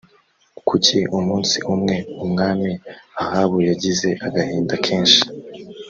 kuki umunsi umwe umwami ahabu yagize agahinda kenshi